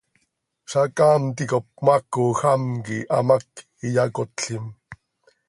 Zacaam ticop cmaacoj am quih hamác iyacotlim.